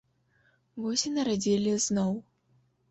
Вось і нарадзілі зноў.